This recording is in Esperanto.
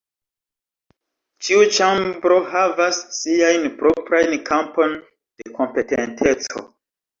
Ĉiu ĉambro havas siajn proprajn kampon de kompetenteco.